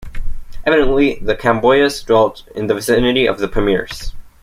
Evidently, the Kambojas dwelt in the vicinity of the Pamirs.